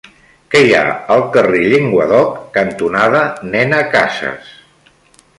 Què hi ha al carrer Llenguadoc cantonada Nena Casas?